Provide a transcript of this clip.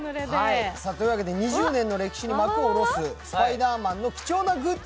２０年の歴史に幕を下ろすスパイダーマンの貴重なグッズ